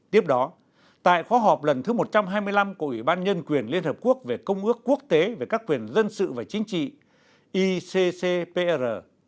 tiếp đó tại khóa họp lần thứ một trăm hai mươi năm của ủy ban nhân quyền liên hợp quốc về công ước quốc tế về các quyền dân sự và chính trị iccpr